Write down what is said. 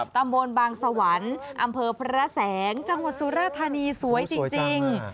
ตำบลบางสวรรค์อำเภอพระแสงจังหวัดสุราธานีสวยจริง